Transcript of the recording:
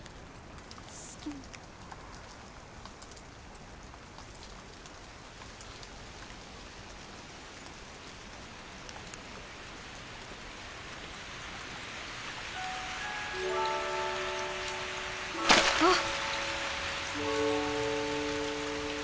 好きなあっ